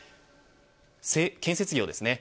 建設業ですね。